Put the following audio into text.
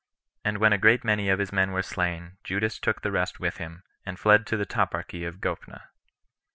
And when a great many of his men were slain, Judas took the rest with him, and fled to the toparchy of Gophna.